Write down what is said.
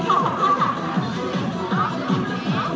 แล้วค่ะสอบปิดด้านหน้า